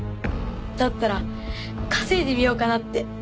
だったら稼いでみようかなって。